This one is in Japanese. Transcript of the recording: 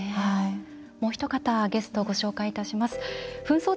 もうひと方ゲストをご紹介いたします。